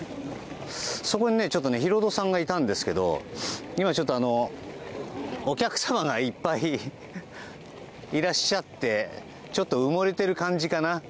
そこにヒロドさんがいたんですけど今ちょっと、お客様がいっぱいいらっしゃってちょっと埋もれてる感じかな。